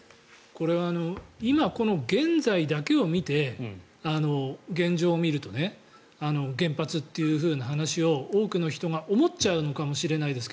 今、この現在だけを見て現状を見ると原発という話を多くの人が思っちゃうのかもしれないですが。